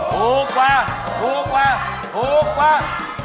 ถูกกว่าถูกกว่าถูกกว่า